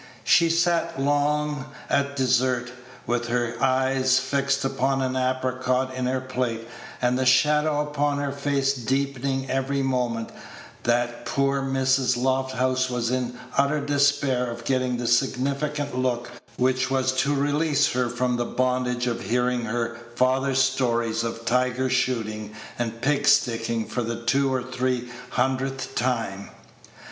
She sat so long at dessert, with her eyes fixed upon an apricot in her plate, and the shadow upon her face deepening every moment, that poor Mrs. Lofthouse was in utter despair of getting the significant look which was to release her from the bondage of hearing her father's stories of tiger shooting and pig sticking for the two or three hundredth time.